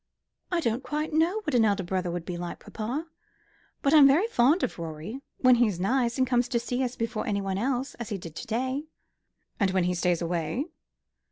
"I don't quite know what an elder brother would be like, papa. But I'm very fond of Rorie when he's nice, and comes to see us before anyone else, as he did to day." "And when he stays away?"